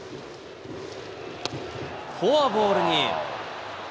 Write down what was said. フォアボールに。